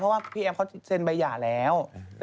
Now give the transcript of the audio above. เพราะว่าทหารเส้นใบหย่าแล้ว